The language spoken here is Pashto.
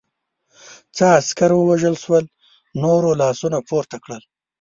څه عسکر ووژل شول، نورو لاسونه پورته کړل.